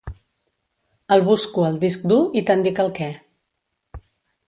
El busco al disc dur i te'n dic el què.